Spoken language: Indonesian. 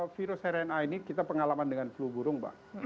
virus rna ini kita pengalaman dengan flu burung mbak